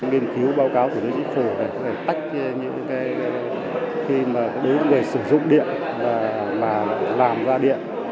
điên cứu báo cáo của nguyễn vĩ phủ để tách những cái khi mà đối với sử dụng điện và làm ra điện